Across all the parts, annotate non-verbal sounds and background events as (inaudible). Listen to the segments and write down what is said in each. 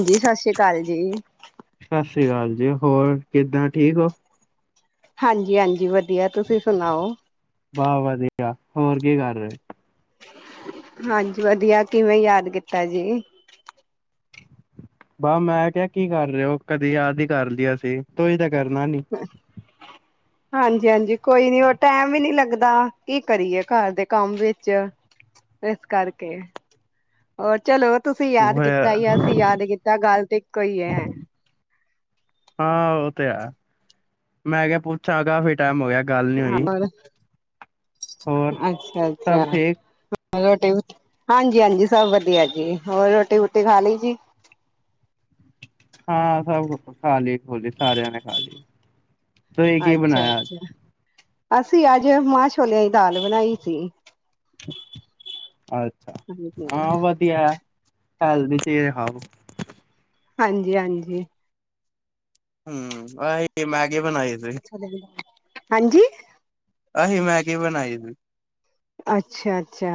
ਹਾਂਜੀ ਸਤਿ ਸ੍ਰੀ ਅਕਾਲ ਜੀ। ਜੀ, ਸਤਿ ਸ੍ਰੀ ਅਕਾਲ ਜੀ, ਹੋਰ ਕਿਦਾਂ ਠੀਕ ਹੋ? ਹਾਂਜੀ-ਹਾਂਜੀ ਵਧੀਆ। ਵਧੀਆ ਤੁਸੀਂ ਸੁਣਾਓ? ਵਾਹ ਵਧੀਆ, ਹੋਰ ਕੀ ਕਰ ਰਹੇ ਹੋ? ਹਾਂਜੀ ਵਧੀਆ, ਕਿਵੇਂ ਯਾਦ ਕੀਤਾ ਜੀ? ਬਸ ਮੈਂ ਕਿਹਾ ਕੀ ਕਰ ਰਹੇ ਹੋ ਕਦੇ ਯਾਦ ਹੀ ਕਰ ਲਿਆ ਸੀ ਤੁੂੰ ਹੀ ਤਾਂ ਕਰਨਾ ਨੀ। ਹਾਂਜੀ-ਹਾਂਜੀ ਕੋਈ ਨੀ ਉਹ ਟੈਮ ਵੀ ਨੀ ਲੱਗਦਾ ਕੀ ਕਰੀਏ ਘਰ ਦੇ ਕੰਮ ਵਿਚ ਇਸ ਕਰਕੇ ਹੋਰ ਚਲੋ। ਤੁਸੀਂ ਯਾਦ ਕੀਤਾ ।ਅਸੀਂ ਯਾਦ ਕੀਤਾ ਗੱਲ ਤੇ ਇੱਕੋ ਹੀ ਏ। ਹਾਂ ਉਹ ਮੈਂ ਕਿਹਾ ਪੁੱਛਾਂ ਕਾਫੀ ਟਾਈਮ ਹੋ ਗਿਆ। ਗੱਲ ਨੀ ਹੋਈ ਹੋਰ ਹੋਰ ਅੱਛਾ ਅੱਛਾ ਸਭ ਠੀਕ? ਰੋਟੀ ਹਾਂਜੀ ਹਾਂਜੀ ਸਭ ਵਧੀਆ ਜੀ ਹੋਰ ਰੋਟੀ ਰੂਟੀ ਖਾ ਲਈ ਜੀ? ਹਾਂ ਸਭ ਕੁਝ ਖਾ ਲਈ ਖੋਲੀ ਸਾਰਿਆਂ ਨੇ ਖਾ ਲਈ। ਤੁਹੀ ਕੀ ਅੱਛਾ ਬਣਾਇਆ ਅੱਜ? ਅੱਛਾ ਅਸੀਂ ਅੱਜ ਮਾਂ ਛੋਲਿਆਂ ਦੀ ਦਾਲ ਬਣਾਈ ਸੀ। ਚ ਅੱਛਾ ਹਾਂ ਹਾਂਜੀ ਵਧੀਆ। ਹੈਲਦੀ ਚੀਜ ਖਾੳ। ਹਾਂਜੀ- ਹਾਂਜੀ ਹਮ ਆ ਮੈਂ ਹਾਂਜੀ? ਅਸੀ ਮੈਂਗੀ ਬਣਾਈ ਸੀ। ਅੱਛਾ -ਅੱਛਾ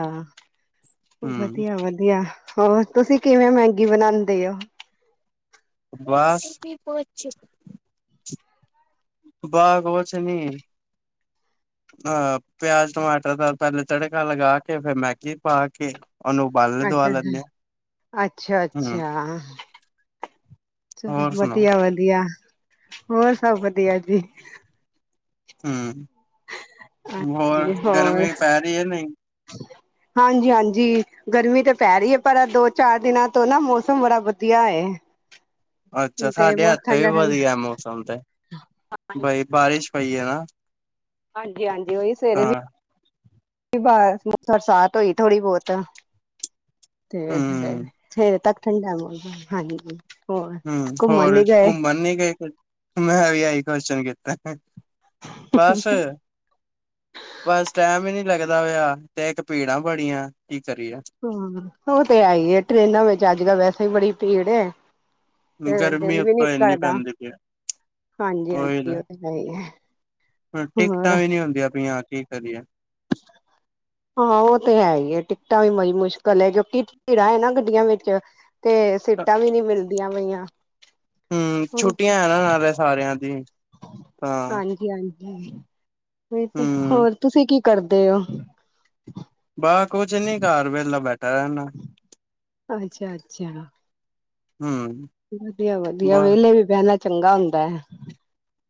ਹਮ ਵਧੀਆ ਵਧੀਆ। ਹੋਰ ਤੁਸੀਂ ਕਿਵੇਂ ਮੈਗੀ ਬਣਾਉਂਦੇ ਹੋ? ਬਸ ਬਾ ਕੁਛ ਨੀ ਆ ਪਿਆਜ ਟਮਾਟਰ ਦਾ ਪਹਿਲੇ ਤੜਕਾ ਲਗਾ ਕੇ ਫੇਰ ਮੈਗੀ ਪਾ ਕੇ। ਉਹਨੂੰ ਉਬਾਲੇ ਦਵਾ ਅੱਛਾ ਅ ਲੈਂਦੇ ਆ ਅੱਛਾ- ਹੂੰ ਅੱਛਾ ਚਲੋ ਹੋਰ ਸੁਣਾਓ ਵਧੀਆ- ਵਧੀਆ ਹੋਰ ਸਭ ਵਧੀਆ ਜੀ। ਹਮ! ਹੋਰ ਹੋਰ ਗਰਮੀ ਪੈ ਰਹੀ ਹੈ ਨਹੀਂ? ਹਾਂਜੀ ਹਾਂਜੀ ਗਰਮੀ ਤਾਂ ਪੈ ਰਹੀ ਹੈ ਪਰ ਦੋ ਚਾਰ ਦਿਨਾਂ ਤੋਂ ਨਾ ਮੌਸਮ ਬੜਾ ਵਧੀਆ ਹੈ। ਅੱਛਾ ਤੇ ਸਾਡੇ ਬਹੁਤ ਹੱਥ ਵੀ ਠੰਡਾ ਠੰਡਾ ਵਧੀਆ ਮੌਸਮ ਤੇ ਬਈ ਬਾਰਿਸ਼ ਪਈ ਆ ਹਾਂਜੀ ਹਾਂਜੀ ਓਹੀ ਸੇਰੇ ਵੀ ਬਅ ਬਰਸਾਤ ਹੋਈ ਥੋੜ੍ਹੀ ਬਹੁਤ ਤੇ ਫੇ ਹੂੰ ਥੇਰ ਤੱਕ ਠੰਡ ਆ' ' (inaudible) ਹਮ ਹੋਰ ਘੁੰਮਣ ਨੀ ਗਏ ਮੈਂ ਵੀ ਆਈ (unintelligible) ਕਿਤੇ ਬਸ ਬਸ ਟੈਮੀਨੀ ਲੱਗਦਾ ਹੋਇਆ ਤੇ ਇੱਕ ਭੀੜਾਂ ਬੜੀਆਂ ਕਰੀਏ ਹਮ ਉਹ ਤੇ ਹੈਈ ਐ ਟ੍ਰਰੇਨਾਂ ਵਿੱਚ ਅੱਜ ਕੱਲ੍ਹ ਵੈਸੇ ਈ ਬੜੀ ਪੀੜ ਏ ਤੇ ਗਰਮੀ ਦਿਲ ਉੱ ਵੀ ਨੀ ਇਨੀ ਕਰਦਾ ਪੈਂਦੀ ਪਈ ਉਹੀ ਹਾਂਜੀ-ਹਾਂਜੀ ਉਹ ਤੇ ਹੈ ਹੀ ਹੈ ਤੇ ਹੋਰ ਟਿਕਟਾਂ ਵੀ ਨੀ ਹੁੰਦੀਆਂ ਪਈ ਆ ਕੇ (inaudible) ਹਾਂ ਉਹ ਤੇ ਹੈ ਹੀ ਹੈ ਟਿਕਟਾਂ ਵੀ ਮੜੀ ਮੁਸ਼ਕਿਲ ਹੈ ਕਿਉਂਕਿ ਭੀੜਾ ਹੈ ਨਾ ਗੱਡੀਆਂ ਵਿੱਚ ਤੇ ਸੀਟਾਂ ਵੀ ਨੀ ਮਿਲਦੀਆਂ ਪਈਆਂ। ਹਮ ਛੁੱਟੀਆਂ ਹੈਨਾਂ ਨਾਲੇ ਸਾਰਿਆਂ ਦੀ ਤਾਂ ਹਾਂਜੀ ਹਾਂਜੀ (inaudible) (unintelligible) ਤੇ ਹੂੰ ਹੋਰ ਤੁਸੀਂ ਕੀ ਕਰਦੇ ੳ ਬਸ ਕੁਛ ਨੀ ਘਰ ਵੇਹਲਾ ਬੈਠ ਅੱਛਾ ਅੱਛਾ ਹੂੰ ਵਧੀਆ ਵਧੀਆ ਬਸ ਵਿਹਲੇ ਵੀ ਬਹਿਣਾ ਚੰਗਾ ਹੁੰਦਾ ਐ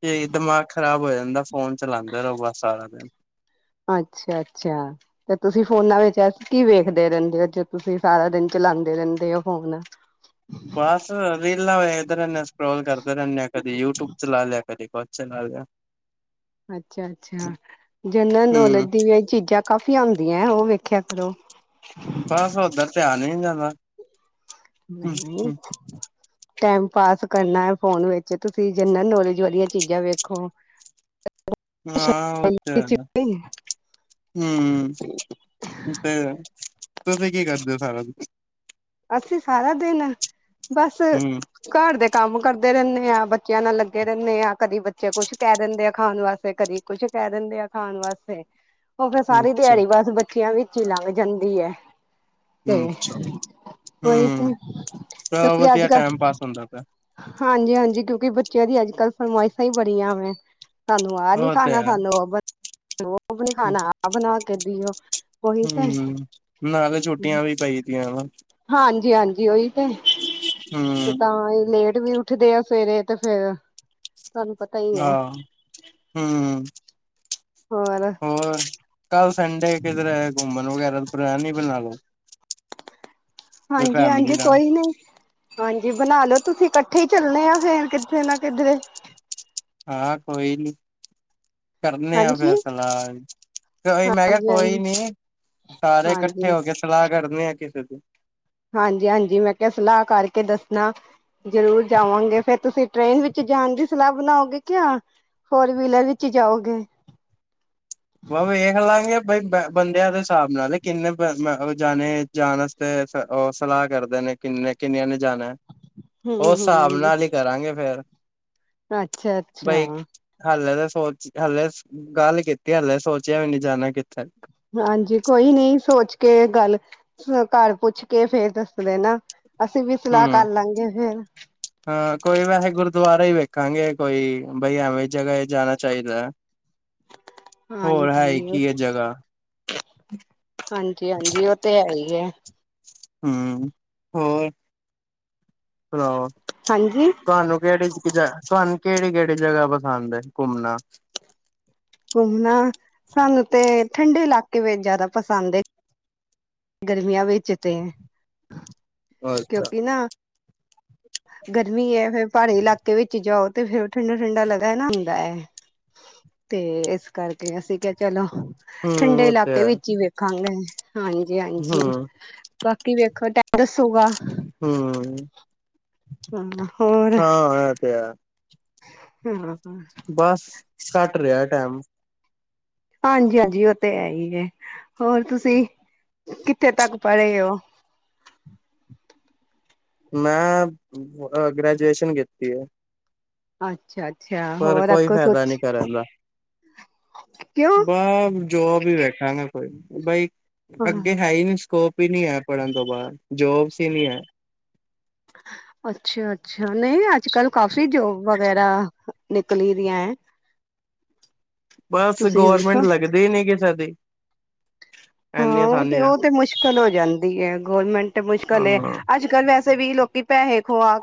ਤੇ ਦਿਮਾਗ ਖ਼ਰਾਬ ਹੋ ਜਾਂਦਾ ਫੋਨ ਚਲਾਉਂਦੇ ਰਹੋ ਬਸ ਸਾਰਾ ਦਿਨ ਅੱਛਾ ਅੱਛਾ ਤੇ ਤੁਸੀਂ ਫੋਨਾਂ ਵਿੱਚ ਅ ਕੀ ਵੇਖਦੇ ਰਹਿੰਦੇ ਹੋ ਜੋ ਤੁਸੀਂ ਸਾਰਾ ਦਿਨ ਚਲਾਉਂਦੇ ਰਹਿੰਦੇ ਹੋ ਫੋਨ। ਬੱਸ ਰੀਲਾਂ ਵੇਖਦੇ ਰਹਿਣਿਆ ਸਕ੍ਰੋਲ ਕਰਦੇ ਰੇ ਨੇ ਕਦੀ ਯੂਟੂਬ ਚਲਾ ਲਿਆ ਕਦੀ ਕ ਛਨਾ ਗਿਆ ਅੱਛਾ ਅੱਛਾ ਜਨਰਲ ਹੂੰ ਨੌਲੇਜ ਦੀ ਵੀਆ ਚੀਜਾ ਕਾਫੀ ਆਉਂਦੀਐ ਉ ਵੇਖਿਆ ਕਰੋ ਬਸ ਓਦਰ ਧਿਆਨ ਈਂ (inaudible) ਟੈਮ ਪਾਸ ਕਰਨਾ ਹੈ ਫੋਨ ਵਿੱਚ ਤੁਸੀਂ ਜਨਰਲ ਨੌਲੇਜ ਵਾਲੀਆਂ ਚੀਜ਼ਾਂ ਵੇਖੋ ਹਾਂ ਉਹ ਤੇ ਹੈ ਹਮ ਤੇ ਤੁਸੀਂ ਕੀ ਕਰਦੇ ਹੋ ਸਾਰਾ ਦਿਨ ਅਸੀਂ ਸਾਰਾ ਦਿਨ ਬਸ ਹੂੰ ਘਰ ਦੇ ਕੰਮ ਕਰਦੇ ਰਹਿੰਦੇ ਆ ਬੱਚਿਆਂ ਨਾਲ ਲੱਗੇ ਰਹਿੰਦੇ ਆ ਕਦੀ ਬੱਚੇ ਕੁਛ ਕਹਿ ਦਿੰਦੇ ਆ ਖਾਣ ਵਾਸਤੇ ਕਦੀ ਕੁਛ ਕਹਿ ਦਿੰਦੇ ਆ ਖਾਣ ਵਾਸਤੇ ਉਹ ਫਿਰ ਸਾਰੀ ਅੱਛਾ ਦਿਹਾੜੀ ਬਸ ਬੱਚਿਆਂ ਵੀ ਚ ਲੰਘ ਜਾਂਦੀ ਹੈ ਤੇ ਉਹੀ ਤੇ ਹਮ ਵਧੀਆ ਟਾਈਮ ਪਾਸ ਹੁੰਦਾ ਪਿਆ ਹਾਂਜੀ ਹਾਂਜੀ ਕਿਉਂਕਿ ਬੱਚਿਆਂ ਦੀ ਅੱਜ ਕੱਲ ਫਰਮਾਇਸ਼ਾਂ ਹੀ ਬੜੀਆਂ ਵੇ ਸਾਨੂੰ ਆਹ ਨੀ ਉਹ ਤੇ ਖਾਣਾ ਹੈ ਸਾਨੂੰ ਉਹ ਬਨ ਰੂਪ ਵੀ ਨਹੀਂ ਖਾਣਾ ਆਪ ਬਣਾ ਕੇ ਦਿਓ ਉਹੀ ਤੇ ਹੂੰ, ਨਾਲੇ ਛੁੱਟੀਆਂ ਵੀ ਪਈ ਤੀਆਂ ਵਾ ਹਾਂਜੀ ਹਾਂਜੀ ਓਹੀ ਤੇ ਹੂੰ। ਤਾਂ ਈ ਲੇਟ ਵੀ ਉੱਠਦੇ ਆ ਸਵੇਰੇ ਤੇ ਫੇਰ ਤੁਹਾਨੂੰ ਪਤਾ ਹੀ ਹੈ ਆਹ ਹਮ ਹੋਰ ਕੱਲ ਸੰਡੇ ਕਿਧਰੇ ਘੁੰਮਣ ਵਗੈਰਾ ਪਲੈਨ ਹੀ ਬਣਾਲੋ ਹਾਂਜੀ ਹਾਂਜੀ ਕੋਈ ਨੀ ਹਾਂਜੀ ਬਣਾ ਲੋ ਤੁਸੀਂ ਇਕੱਠੇ ਹੀ ਚੱਲਣੇ ਆ ਫੇਰ ਕਿੱਥੇ ਨਾ ਕਿਧਰੇ ਹਾਂ ਕੋਈ ਨੀ ਕਰਨੇ ਆ ਫਿਰ ਸਲਾਹ ਕੋਈ ਮੈਂ ਕਿਹਾ ਕੋਈ ਹਾਂਜੀ-ਹਾਂਜੀ-ਹਾਂਜੀ-ਹਾਂਜੀ ਨੀ ਸਾਰੇ ਇਕੱਠੇ ਹੋ ਕੇ ਸਲਾਹ ਕਰਨੇ ਆ ਕਿਸੇ ਦੀ ਹਾਂਜੀ-ਹਾਂਜੀ ਜਰੂਰ ਜਾਵਾਂਗੇ ਫੇਰ ਤੁਸੀਂ ਟ੍ਰੇਨ ਵਿੱਚ ਜਾਣ ਦੀ ਸਲਾਹ ਬਣਾਓਗੇ ਕਿ ਆ ਫੋਰ ਵੀਲਰ ਵਿੱਚ ਜਾਓਗੇ ਵ ਵੇਖ ਲਾਂਗੇ ਬਈ ਬ ਬੰਦਿਆਂ ਦੇ ਹਿਸਾਬ ਨਾਲ ਕਿੰਨੇ ਅ ਬ ਉਹ ਜਾਣੇ ਜਾਣ ਵਾਸਤੇ ਉਹ ਸਲਾਹ ਕਰਦੇ ਨੇ ਕਿੰਨੇ ਕਿੰਨਿਆਂ ਨੇ ਜਾਣੈ ਉਸ ਹਿਸਾਬ ਨਾਲ ਹੀ ਕਰਾਂਗੇ ਫੇਰ ਅੱਛਾ ਅੱਛਾ ਬਾਈ ਹਾਲੇ ਤਾਂ ਸੋਚ ਹਾਲੇ ਗੱਲ ਕੀਤੀ ਕਿ ਹਾਲੇ ਸੋਚਿਆ ਵੀ ਨੀ ਜਾਣਾ ਕਿੱਥੇ ਹਾਂਜੀ ਕੋਈ ਨੀ ਸੋਚ ਕੇ ਗੱਲ ਘਰ ਪੁੱਛ ਕੇ ਫੇਰ ਦੱਸਦੇ ਨਾ ਹਮ ਹਾਂ ਕੋਈ ਵੈਸੇ ਗੁਰਦੁਆਰਾ ਹੀ ਵੇਖਾਂਗੇ ਕੋਈ ਬਈ ਐਵੇਂ ਜਗ੍ਹਾ ਜਾਣਾ ਚਾਹੀਦਾ ਹੋਰ ਹੈ ਹਾਂਜੀ ਕੀ ਇਹ ਜਗ੍ਹਾ ਹਾਂਜੀ ਹਾਂਜੀ ਉਹ ਤੇ ਹੈ ਹੀ ਹੈ ਹੋਰ ਸੁਣਾਓ ਹਾਂਜੀ ਤੁਹਾਨੂੰ ਕਿਹੜੇ ਤੁਹਾਨੂੰ ਕਿਹੜੀ ਕਿਹੜੀ ਜਗ੍ਹਾ ਪਸੰਦ ਹੈ ਘੁੰਮਣਾ ਘੁੰਮਣਾ ਸਾਨੂੰ ਤੇ ਠੰਡੇ ਇਲਾਕੇ ਵਿੱਚ ਜ਼ਿਆਦਾ ਪਸੰਦ ਹੈ ਗਰਮੀਆਂ ਵੇਚਤੇ ਹੈ ਅੱਛਾ ਕਿਉਂਕਿ ਨਾ ਗਰਮੀ ਹੈ ਫੇਰ ਪਹਾੜੀ ਇਲਾਕੇ ਵਿੱਚ ਜਾਓ, ਤੇ ਫੇਰ ਠੰਡਾ- ਠੰਡਾ ਲਗਾ ਨਾ ਹੁੰਦਾ ਹੈ, ਤੇ ਇਸ ਕਰਕੇ ਅਸੀਂ ਕਿਹਾ ਚਲੋ। ਹੂੰ ਠੰਡੇ ਉਹ ਤੇ ਇਲਾਕੇ ਹੈ ਵਿੱਚ ਹੀ ਵੇਖਾਂਗੇ। ਹ ਹਾਂਜੀ- ਹਾਂਜੀ। ਬਾਕੀ ਵੇਖੋ ਟ ਦ ਹਮ ਹਾਂ, ਹੋਰ। ਹਮ ਹਾਂ ਇਹ ਤੇ ਹੈ ਹਮ (inaudible) ਬਸ ਕੱਟ ਰਿਹਾ ਟਾਈਮ। ਹਾਂਜੀ -ਹਾਂਜੀ ਓ ਤੇ ਹੈ ਹੀ ਹੈ, ਹੋਰ ਤੁਸੀਂ। ਕਿੱਥੇ ਤੱਕ ਪੜ੍ਹੇ ਉਹ? ਮੈਂ ਗ੍ਰੈਜੂਏਸ਼ਨ ਕੀਤੀ ਐ। ਅੱਛਾ (inaudible) ਪਰ ਹੋਰ ਕੋਈ ਅੱਗੋਂ ਫਾਇਦਾ ਸੋਚ ਨਹੀਂ ਕਰਨਦਾ। ਕਿਉਂ ਬ (inaudible) ਜੋਬ ਹੀ ਵੇਖਾਂਗਾ ਕੋਈ, ਬਾਈ ਹਾਂ ਅੱਗੇ ਹੈ ਹੀ ਨੀ, ਸਕੋਪ। ਵੀ ਨੀ ਹੈ ਪੜ੍ਹਨ ਤੋਂ ਬਾਅਦ, ਜੋਬਸ ਹੀ ਨੀ ਹੈ। ਅੱਛਾ -ਅੱਛਾ, ਨਹੀਂ ਅੱਜ- ਕੱਲ ਕਾਫੀ ਜੋਬ ਵਗੈਰਾ ਨਿਕਲੀ ਦੀਆਂ ਐੰ ਬਸ ਗੌਰਮੈਂਟ ਲੱਗਦੇ ਨੀ ਕਿ, ਸਜ ਦੀ। (inaudible) ਹਾਂ, ਇੰਨੀ ਉਹ ਆਸਾਨੀ ਤੇ ਨਾਲ ਉਹ ਤੇ ਮੁਸ਼ਕਿਲ ਹੋ ਜਾਂਦੀ ਏ। ਗੌਰਮੈਂਟ ਮੁਸ਼ਕਿਲ ਹੈ। ਹਾਂ ਅੱਜ- ਕੱਲ੍ਹ ਵੈਸੇ ਵੀ ਲੋਕੀ ਪੈਹੇ ਖੁਆ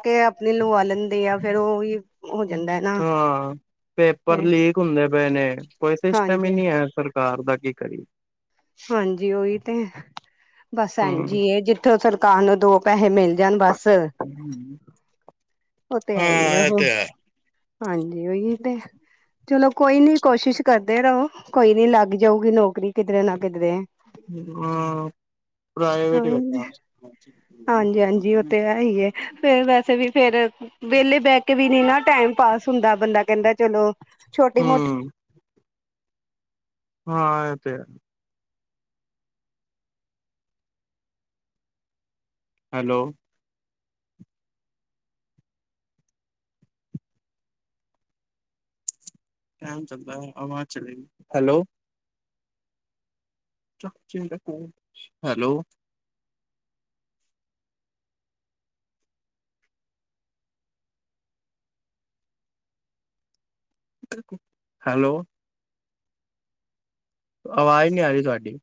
ਹੋ ਜਾਂਦਾ ਹੈ ਨਾ ਹਾਂ ਪੇਪਰ ਤੇ ਲੀਕ ਹੁੰਦੇ ਪਏ ਨੇ, ਕੋਈ ਸਿਸਟਮ ਹੀ ਹਾਂਜੀ ਨਹੀ ਹੈ, ਸਰ ਕਾਰ ਦਾ ਕੀ ਕਰੀਏ। ਹਾਂਜੀ ਉਹੀ ਤੇ, ਬਸ ਹਮ ੲੈੰਜੀ ਏ ਜਿੱਥੋਂ ਸਰਕਾਰ ਨੂੰ ਦੋ ਪੈਹੇ ਮਿਲ ਜਾਨ ਬੱਸ। ਹਾਂ ਉਹ ਤੇ ਹੈਈ ਆ ਇਹ ਤੇ ਹੈ ਹਾਂਜੀ, ਉਹੀ ਤੇ ਚਲੋ ਕੋਈ ਨੀ ਕੋਸ਼ਿਸ਼ ਕਰਦੇ ਰਹੋ, ਕੋਈ ਨੀ ਲੱਗ ਜਾਊਗੀ ਨੌਕਰੀ ਕਿਧਰੇ ਨਾ ਕਿਧਰੇ। ਹਾਂ ਪ੍ਰਾਈਵੇਟ ਹੀ ਵੇਖਾਂਗੇ ਹਾਂਜੀ-ਹਾਂਜੀ ਉਹ ਤੇ ਹੈ ਹੀ ਫਿਰ ਵੈਸੇ ਵੀ ਫਿਰ ਵਿਹਲੇ ਬਹਿ ਕੇ ਵੀ ਨੀ ਨਾ ਟਾਈਮ ਪਾਸ ਹੁੰਦਾ ਬੰਦਾ ਕਹਿੰਦਾ ਚਲੋ ਛੋਟੀ ਹੂੰ, ਮੋਟੀ ਹਾਂ ਇਹ ਤੇ ਹੈ। ਹੈਲੋ, ਹੈਲੋ, ਹੈਲੋ, ਹੈਲੋ, ਆਵਾਜ਼ ਨਹੀਂ ਆ ਰਹੀ ਤੁਹਾਡੀ।